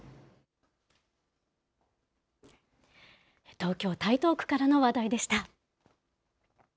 東京・台東区からの話題でした。